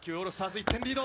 １点リード。